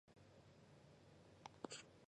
永嘉后废严道县。